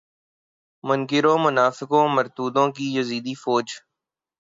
منکروں منافقوں مرتدوں کی یزیدی فوج